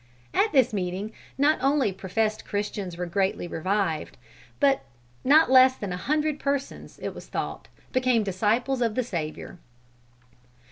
At this meeting, not only professed Christians were greatly revived, but not less than a hundred persons, it was thought, became disciples of the Savior.